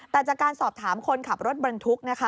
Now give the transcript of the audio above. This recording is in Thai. แต่จากการสอบถามคนขับรถบรรทุกนะคะ